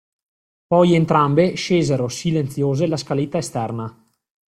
Poi entrambe scesero silenziose la scaletta esterna.